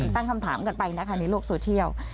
ตั้งคำถามกันไปนะคะในโลกโซเชียล